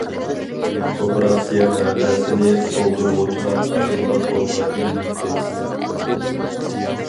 كوپىراتسىيە ۋەقەسىنى تۇغدۇرغۇچىلار ئاشۇنداق قولغا ئېلىنىپتۇ.